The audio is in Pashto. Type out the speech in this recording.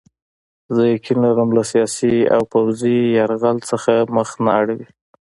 زه یقین لرم له سیاسي او پوځي یرغل څخه مخ نه اړوي.